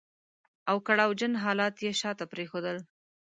او کړاو جن حالات يې شاته پرېښودل.